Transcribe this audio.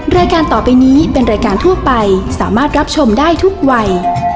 รายการต่อไปนี้เป็นรายการทั่วไปสามารถรับชมได้ทุกวัย